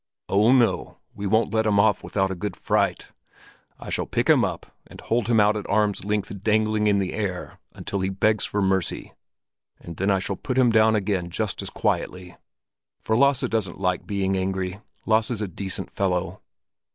"Oh, no, we won't let him off without a good fright. I shall pick him up and hold him out at arm's length dangling in the air until he begs for mercy; and then I shall put him down again just as quietly. For Lasse doesn't like being angry. Lasse's a decent fellow."